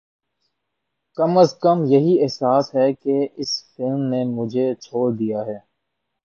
کم از کم یہی احساس ہے کہ اس فلم نے مجھے چھوڑ دیا ہے